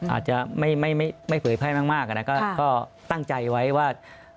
อาจจะไม่เผยแพร่มากนะก็ตั้งใจไว้ว่า